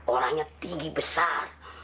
orangnya tinggi besar